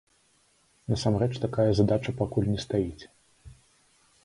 Насамрэч такая задача пакуль не стаіць.